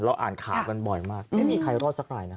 อ่านข่าวกันบ่อยมากไม่มีใครรอดสักรายนะ